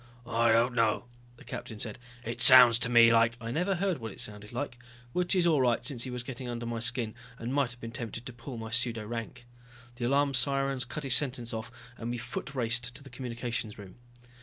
"I don't know," the captain said, "it sounds to me like...." I never heard what it sounded like, which is all right since he was getting under my skin and might have been tempted to pull my pseudo rank. The alarm sirens cut his sentence off and we foot raced to the communications room.